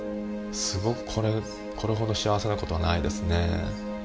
すごくこれほど幸せな事はないですね。